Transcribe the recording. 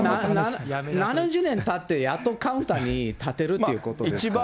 ７０年たって、やっとカウンターに立てるということですから。